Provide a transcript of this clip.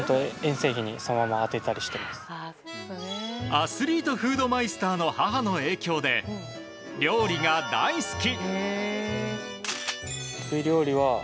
アスリートフードマイスターの母の影響で料理が大好き。